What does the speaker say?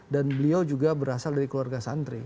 dan beliau juga berasal dari keluarga santri